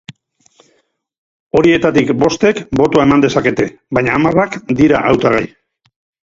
Horietatik bostek botoa eman dezakete, baina hamarrak dira hautagai.